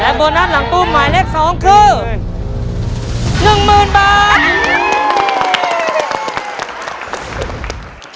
โบนัสหลังตู้หมายเลข๒คือ๑๐๐๐บาท